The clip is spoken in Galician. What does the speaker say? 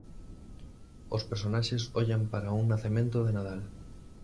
Os personaxes ollan para un nacemento de Nadal.